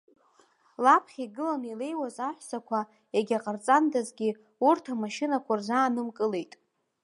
Лаԥхьа игыланы илеиуаз аҳәсақәа, егьа ҟарҵандазгьы, урҭ амашьынақәа рзаанымкылеит.